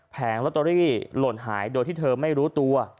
ลอตเตอรี่หล่นหายโดยที่เธอไม่รู้ตัว